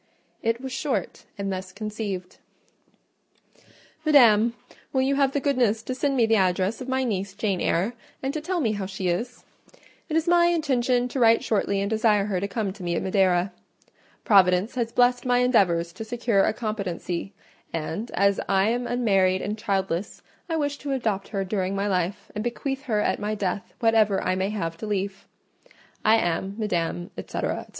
It was short, and thus conceived:— "MADAM,— "Will you have the goodness to send me the address of my niece, Jane Eyre, and to tell me how she is? It is my intention to write shortly and desire her to come to me at Madeira. Providence has blessed my endeavours to secure a competency; and as I am unmarried and childless, I wish to adopt her during my life, and bequeath her at my death whatever I may have to leave. I am, Madam, &c., &c.